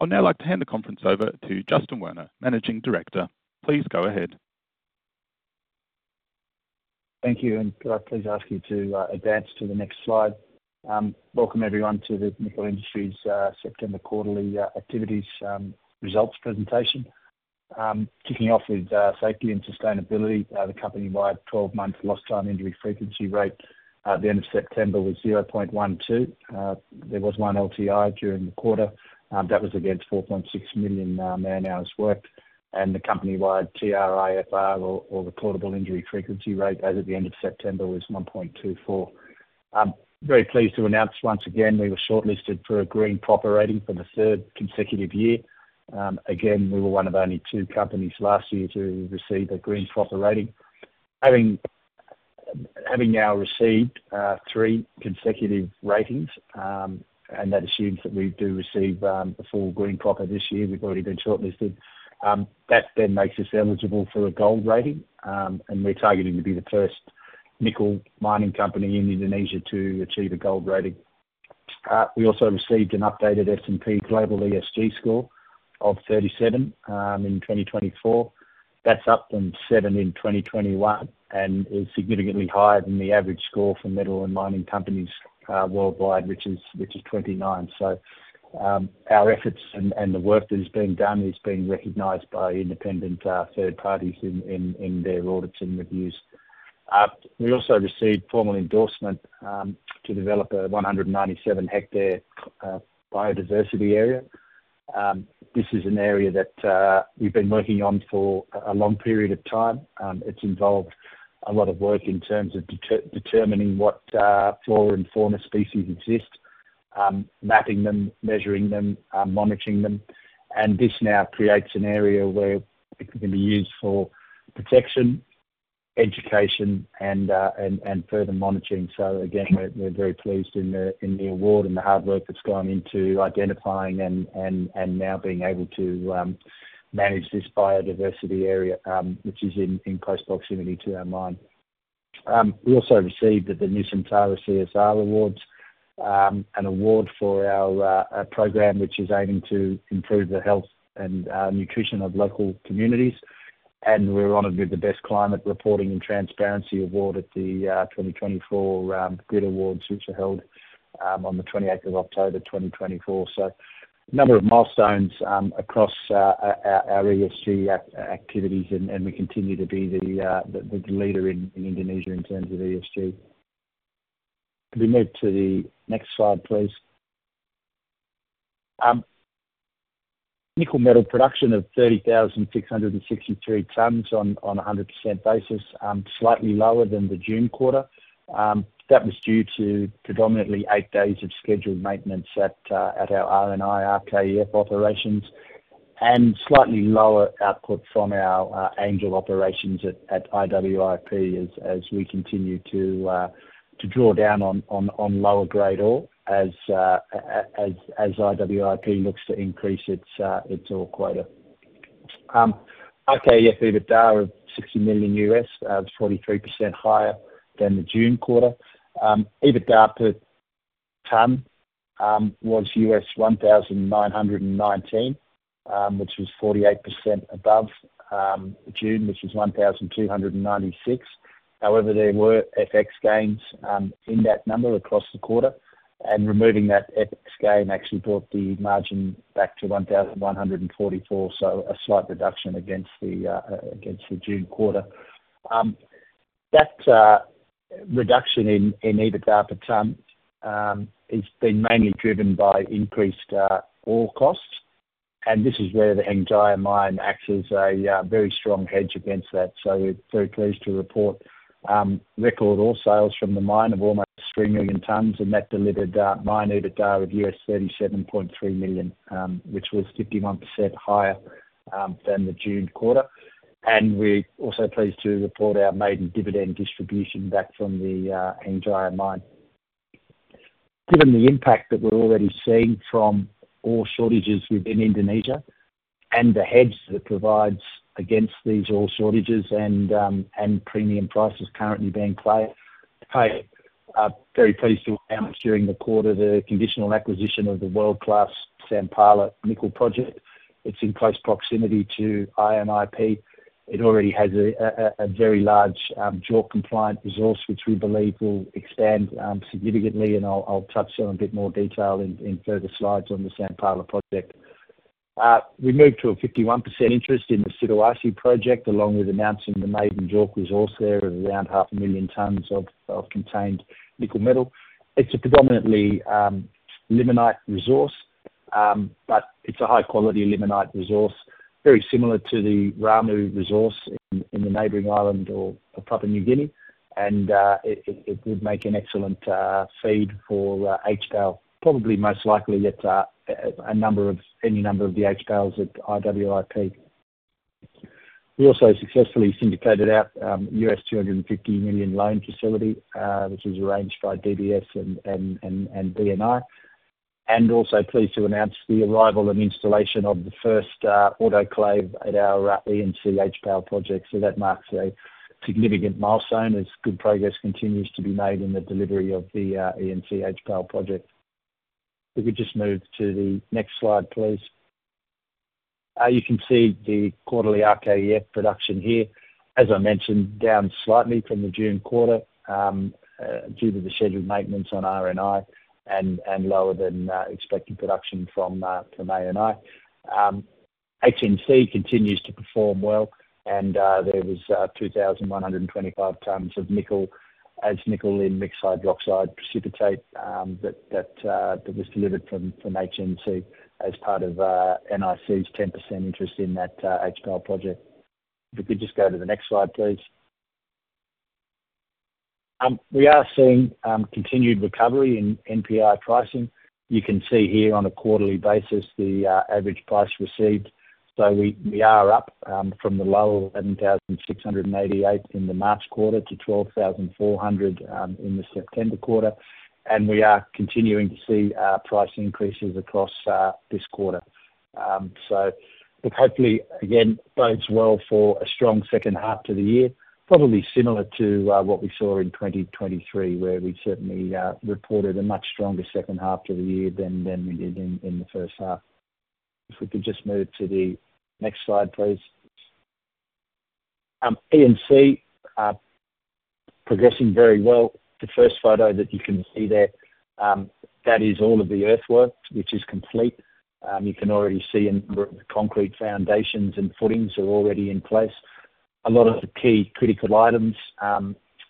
I'd now like to hand the conference over to Justin Werner, Managing Director. Please go ahead. Thank you, and could I please ask you to advance to the next slide? Welcome, everyone, to the Nickel Industries Limited, September Quarterly Activities Results Presentation. Kicking off with safety and sustainability, the company-wide 12-month Lost Time Injury Frequency Rate at the end of September was 0.12. There was one LTI during the quarter that was against 4.6 million man-hours work, and the company-wide TRIFR, or Total Recordable Injury Frequency Rate, as at the end of September was 1.24. Very pleased to announce once again we were shortlisted for a Green PROPER Rating for the third consecutive year. Again, we were one of only two companies last year to receive a Green PROPER Rating. Having now received three consecutive ratings, and that assumes that we do receive a full Green PROPER this year (we've already been shortlisted) that then makes us eligible for a Gold PROPER Rating, and we're targeting to be the first nickel mining company in Indonesia to achieve a Gold PROPER Rating. We also received an updated S&P Global ESG Score of 37 in 2024. That's up from seven in 2021 and is significantly higher than the average score for metal and mining companies worldwide, which is 29. So our efforts and the work that has been done is being recognized by independent third parties in their audits and reviews. We also received formal endorsement to develop a 197-hectare biodiversity area. This is an area that we've been working on for a long period of time. It's i nvolved a lot of work in terms of determining what flora and fauna species exist, mapping them, measuring them, monitoring them, and this now creates an area where it can be used for protection, education, and further monitoring. So again, we're very pleased with the award and the hard work that's gone into identifying and now being able to manage this biodiversity area, which is in close proximity to our mine. We also received the Nusantara CSR Awards, an award for our program which is aiming to improve the health and nutrition of local communities, and we're honored with the Best Climate Reporting and Transparency Award at the 2024 GRIT Awards, which are held on the 28th of October, 2024. So a number of milestones across our ESG activities, and we continue to be the leader in Indonesia in terms of ESG. Could we move to the next slide, please? Nickel metal production of 30,663 tons on a 100% basis, slightly lower than the June quarter. That was due to predominantly eight days of scheduled maintenance at our RNI RKEF operations, and slightly lower output from our Angel operations at IWIP as we continue to draw down on lower-grade ore as IWIP looks to increase its ore quota. RKEF EBITDA of $60 million was 43% higher than the June quarter. EBITDA per ton was $1,919, which was 48% above June, which was $1,296. However, there were FX gains in that number across the quarter, and removing that FX gain actually brought the margin back to $1,144, so a slight reduction against the June quarter. That reduction in EBITDA per ton has been mainly driven by increased ore costs, and this is where the Hengjaya Mine acts as a very strong hedge against that. We're very pleased to report record ore sales from the mine of almost three million tons, and that delivered mine EBITDA of $37.3 million, which was 51% higher than the June quarter. We're also pleased to report our maiden dividend distribution back from the Hengjaya Mine. Given the impact that we're already seeing from ore shortages within Indonesia and the hedge that provides against these ore shortages and premium prices currently being played, very pleased to announce during the quarter the conditional acquisition of the world-class Sampala Project. It's in close proximity to IMIP. It already has a very large JORC-compliant resource, which we believe will expand significantly, and I'll touch on a bit more detail in further slides on the Sampala Project. We moved to a 51% interest in the Siduarsi Project, along with announcing the maiden JORC resource there of around 500,000 tons of contained nickel metal. It's a predominantly limonite resource, but it's a high-quality limonite resource, very similar to the Ramu resource in the neighboring island of Papua New Guinea, and it would make an excellent feed for HPAL, probably most likely at any number of the HPALs at IWIP. We also successfully syndicated out $250 million loan facility, which was arranged by DBS and BNI, and also pleased to announce the arrival and installation of the first autoclave at our ENC HPAL project. That marks a significant milestone as good progress continues to be made in the delivery of the ENC HPAL project. If we just move to the next slide, please. You can see the quarterly RKEF production here, as I mentioned, down slightly from the June quarter due to the scheduled maintenance on RNI and lower than expected production from ANI. HNC continues to perform well, and there was 2,125 tons of nickel as nickel in mixed hydroxide precipitate that was delivered from HNC as part of NIC's 10% interest in that HPAL project. If we could just go to the next slide, please. We are seeing continued recovery in NPI pricing. You can see here on a quarterly basis the average price received. So we are up from the low of 11,688 in the March quarter to 12,400 in the September quarter, and we are continuing to see price increases across this quarter. So hopefully, again, bodes well for a strong second half to the year, probably similar to what we saw in 2023, where we certainly reported a much stronger second half to the year than in the first half. If we could just move to the next slide, please. ENC progressing very well. The first photo that you can see there, that is all of the earthwork, which is complete. You can already see a number of concrete foundations and footings are already in place. A lot of the key critical items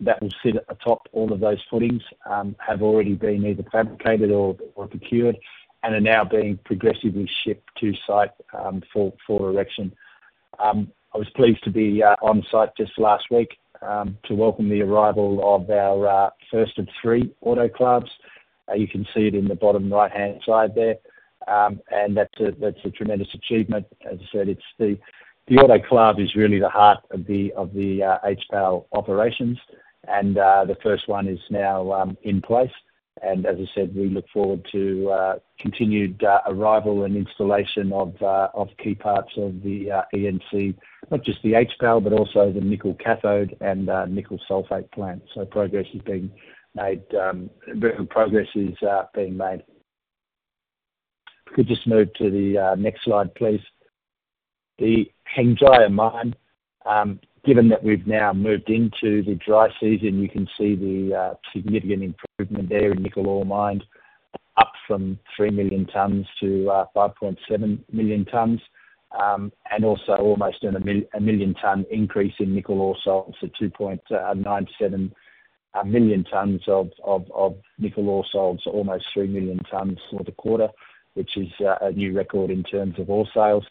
that will sit at the top, all of those footings, have already been either fabricated or procured and are now being progressively shipped to site for erection. I was pleased to be on site just last week to welcome the arrival of our first of three autoclaves. You can see it in the bottom right-hand side there, and that's a tremendous achievement. As I said, the autoclave is really the heart of the HPAL operations, and the first one is now in place, and as I said, we look forward to continued arrival and installation of key parts of the ENC, not just the HPAL, but also the nickel cathode and nickel sulfate plant, so progress is being made. If we could just move to the next slide, please. The Hengjaya Mine, given that we've now moved into the dry season, you can see the significant improvement there in nickel ore mined, up from 3 million tons to 5.7 million tons, and also almost a million-ton increase in nickel ore sales, so 2.97 million tons of nickel ore sales, almost 3 million tons for the quarter, which is a new record in terms of ore sales.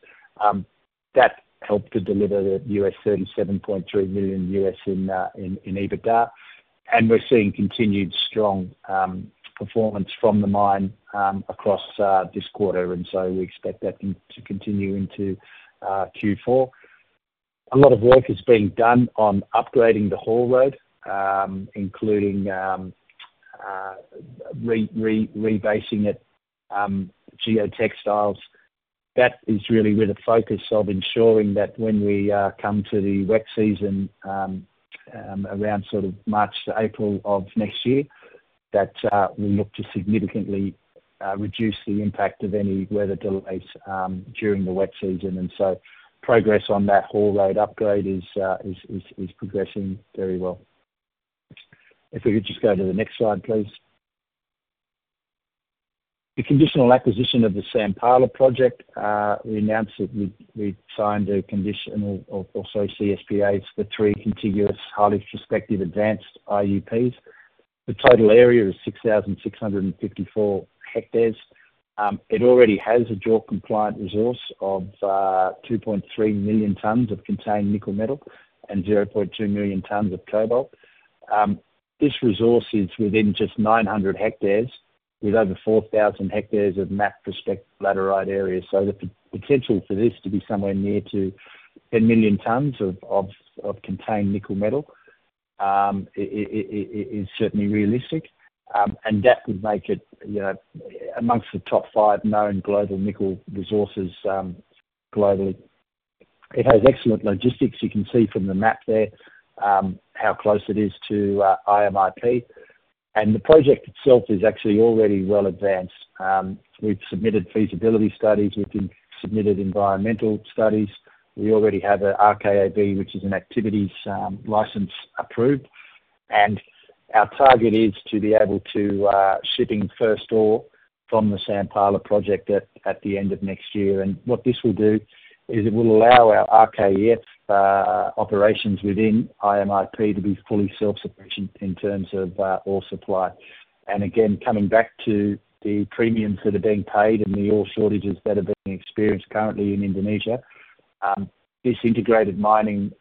That helped to deliver the $37.3 million in EBITDA, and we're seeing continued strong performance from the mine across this quarter, and so we expect that to continue into Q4. A lot of work is being done on upgrading the haul road, including rebasing it, geotextiles. That is really with a focus of ensuring that when we come to the wet season around sort of March to April of next year, that we look to significantly reduce the impact of any weather delays during the wet season. And so progress on that haul road upgrade is progressing very well. If we could just go to the next slide, please. The conditional acquisition of the Sampala Project. We announced that we'd signed a conditional or CSPA for three contiguous highly prospective advanced IUPs. The total area is 6,654 hectares. It already has a JORC-compliant resource of 2.3 million tons of contained nickel metal and 0.2 million tons of cobalt. This resource is within just 900 hectares, with over 4,000 hectares of mapped prospective laterite area. So the potential for this to be somewhere near to 10 million tons of contained nickel metal is certainly realistic, and that would make it amongst the top five known global nickel resources globally. It has excellent logistics. You can see from the map there how close it is to IMIP, and the project itself is actually already well advanced. We've submitted feasibility studies. We've submitted environmental studies. We already have an RKAB, which is an activities license, approved, and our target is to be able to ship first ore from the Sampala Project at the end of next year. And what this will do is it will allow our RKEF operations within IMIP to be fully self-sufficient in terms of ore supply. Again, coming back to the premiums that are being paid and the ore shortages that are being experienced currently in Indonesia, this integrated mining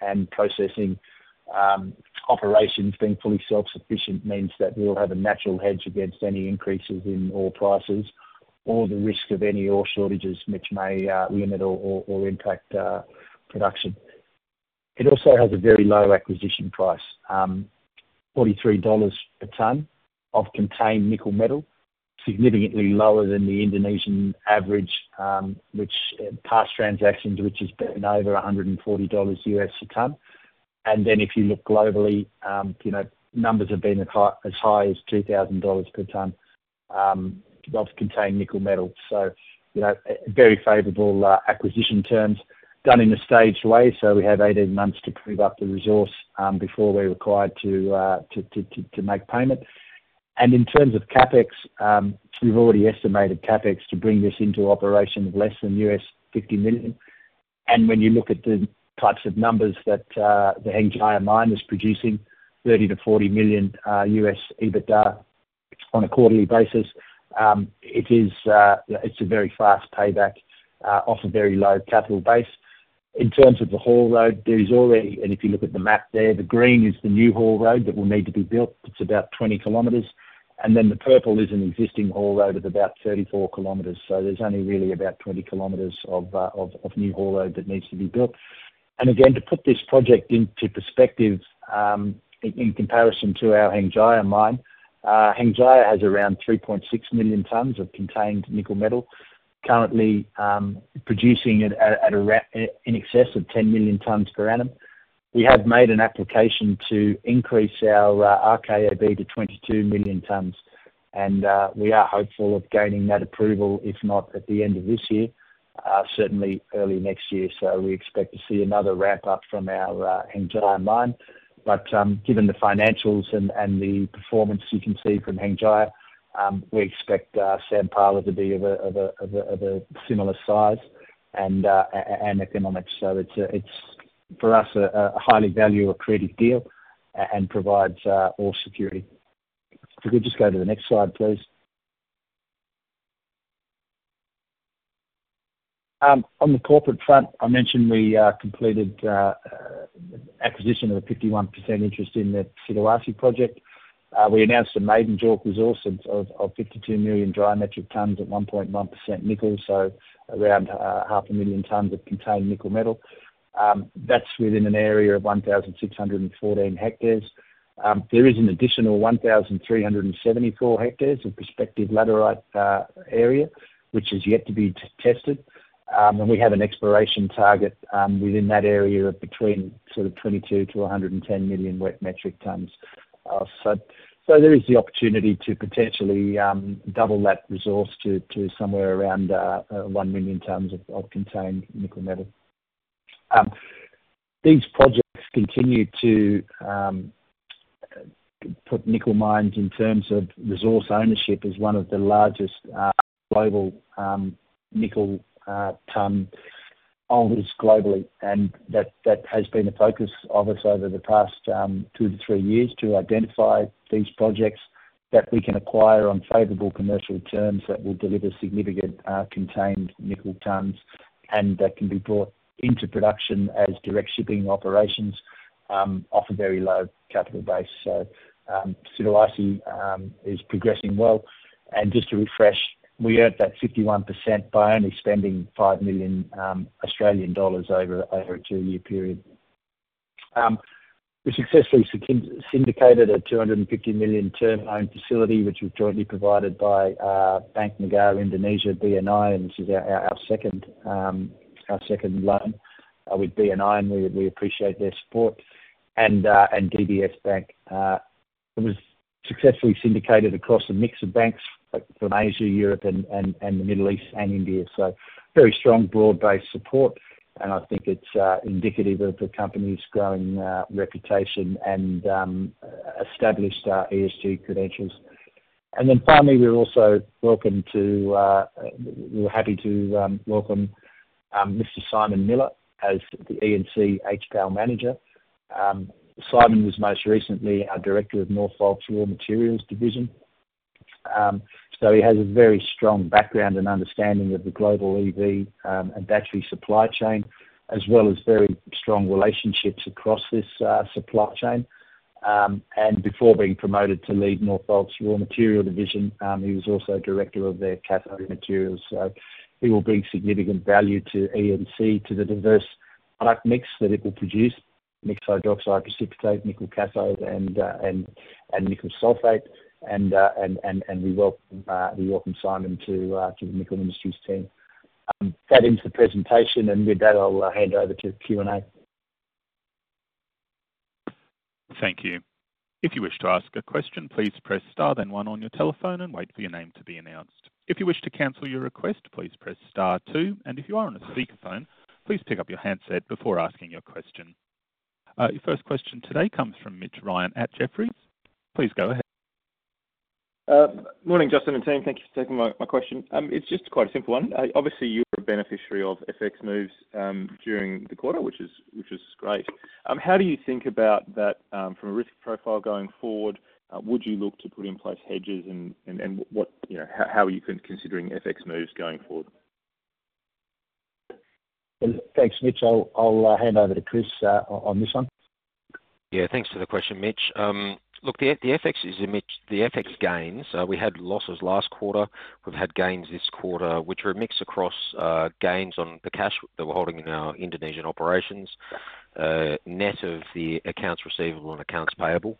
and processing operations being fully self-sufficient means that we'll have a natural hedge against any increases in ore prices or the risk of any ore shortages, which may limit or impact production. It also has a very low acquisition price, $43 per ton of contained nickel metal, significantly lower than the Indonesian average, which past transactions, which has been over $140 a ton. And then if you look globally, numbers have been as high as $2,000 per ton of contained nickel metal. So very favorable acquisition terms done in a staged way, so we have 18 months to prove up the resource before we're required to make payment. And in terms of CapEx, we've already estimated CapEx to bring this into operation of less than $50 million. And when you look at the types of numbers that the Hengjaya Mine is producing, $30-40 million EBITDA on a quarterly basis, it's a very fast payback off a very low capital base. In terms of the haul road, there's already, and if you look at the map there, the green is the new haul road that will need to be built. It's about 20 km. And then the purple is an existing haul road of about 34 km. So there's only really about 20 km of new haul road that needs to be built. And again, to put this project into perspective in comparison to our Hengjaya mine, Hengjaya has around 3.6 million tons of contained nickel metal, currently producing in excess of 10 million tons per annum. We have made an application to increase our RKAB to 22 million tons, and we are hopeful of gaining that approval, if not at the end of this year, certainly early next year. So we expect to see another ramp up from our Hengjaya mine. But given the financials and the performance you can see from Hengjaya, we expect Sampala to be of a similar size and economics. So it's, for us, a highly valuable critical deal and provides ore security. If we could just go to the next slide, please. On the corporate front, I mentioned we completed acquisition of a 51% interest in the Siduarsi Project. We announced a maiden JORC resource of 52 million dry metric tons at 1.1% nickel, so around 500,000 tons of contained nickel metal. That's within an area of 1,614 hectares. There is an additional 1,374 hectares of prospective laterite area, which has yet to be tested. And we have an exploration target within that area of between sort of 22-110 million wet metric tons. So there is the opportunity to potentially double that resource to somewhere around 1 million tons of contained nickel metal. These projects continue to put Nickel Industries in terms of resource ownership as one of the largest global nickel tons owners globally. That has been the focus of us over the past two to three years to identify these projects that we can acquire on favorable commercial terms that will deliver significant contained nickel tons and that can be brought into production as direct shipping operations off a very low capital base. Siduarsi is progressing well. Just to refresh, we earned that 51% by only spending 5 million Australian dollars over a two-year period. We successfully syndicated a $250 million term loan facility, which was jointly provided by Bank Negara Indonesia (BNI), and this is our second loan with BNI, and we appreciate their support. The facility was successfully syndicated by DBS Bank across a mix of banks from Asia, Europe, and the Middle East and India. Very strong broad-based support, and I think it's indicative of the company's growing reputation and established ESG credentials. Then finally, we're happy to welcome Mr. Simon Miller as the ENC HPAL manager. Simon was most recently our director of Northvolt's Raw Materials Division. So he has a very strong background and understanding of the global EV and battery supply chain, as well as very strong relationships across this supply chain. Before being promoted to lead Northvolt's Raw Materials Division, he was also director of their cathode materials. So he will bring significant value to ENC, to the diverse product mix that it will produce, mixed hydroxide precipitate, nickel cathode, and nickel sulfate. We welcome Simon to the Nickel Industries' team. That ends the presentation, and with that, I'll hand over to Q&A. Thank you. If you wish to ask a question, please press star then one on your telephone and wait for your name to be announced. If you wish to cancel your request, please press star two, and if you are on a speakerphone, please pick up your handset before asking your question. Your first question today comes from Mitch Ryan at Jefferies. Please go ahead. Morning, Justin and team. Thank you for taking my question. It's just quite a simple one. Obviously, you're a beneficiary of FX moves during the quarter, which is great. How do you think about that from a risk profile going forward? Would you look to put in place hedges, and how are you considering FX moves going forward? Thanks, Mitch. I'll hand over to Chris on this one. Yeah, thanks for the question, Mitch. Look, the FX is a risk. The FX gains. We had losses last quarter. We've had gains this quarter, which are a mix across gains on the cash that we're holding in our Indonesian operations, net of the accounts receivable and accounts payable.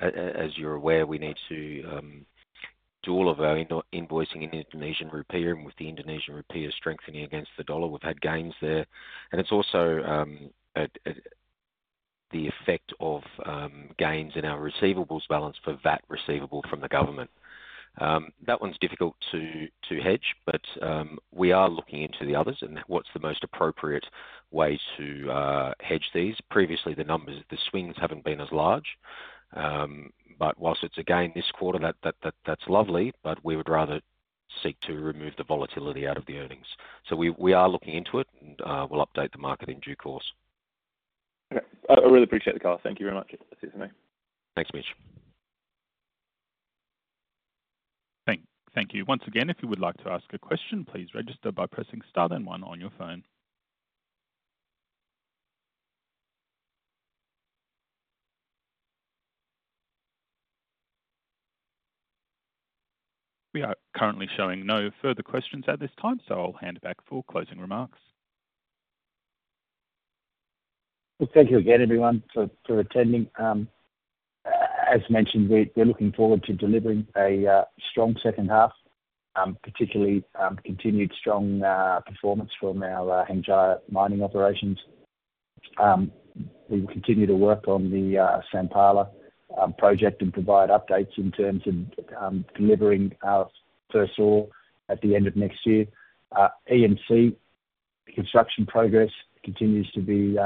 As you're aware, we need to do all of our invoicing in Indonesian rupiah and with the Indonesian rupiah strengthening against the dollar. We've had gains there. And it's also the effect of gains in our receivables balance for VAT receivable from the government. That one's difficult to hedge, but we are looking into the others, and what's the most appropriate way to hedge these? Previously, the swings haven't been as large. But whilst it's a gain this quarter, that's lovely, but we would rather seek to remove the volatility out of the earnings. So we are looking into it, and we'll update the market in due course. Okay. I really appreciate the call. Thank you very much for sitting with me. Thanks, Mitch. Thank you. Once again, if you would like to ask a question, please register by pressing star then one on your phone. We are currently showing no further questions at this time, so I'll hand back full closing remarks. Thank you again, everyone, for attending. As mentioned, we're looking forward to delivering a strong second half, particularly continued strong performance from our Hengjaya mining operations. We will continue to work on the Sampala Project and provide updates in terms of delivering our first haul at the end of next year. ENC construction progress continues to be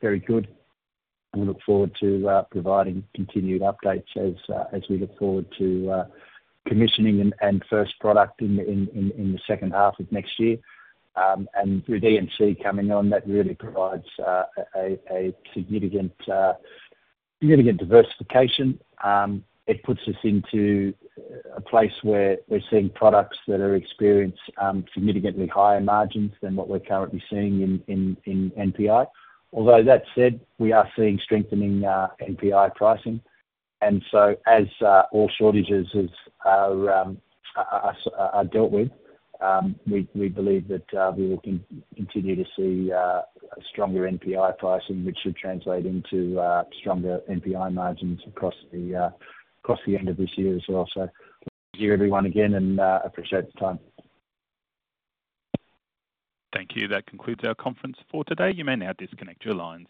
very good. We look forward to providing continued updates as we look forward to commissioning and first product in the second half of next year. And with ENC coming on, that really provides a significant diversification. It puts us into a place where we're seeing products that are experiencing significantly higher margins than what we're currently seeing in NPI. Although that said, we are seeing strengthening NPI pricing. And so as all shortages are dealt with, we believe that we will continue to see stronger NPI pricing, which should translate into stronger NPI margins across the end of this year as well. So thank you, everyone, again, and appreciate the time. Thank you. That concludes our conference for today. You may now disconnect your lines.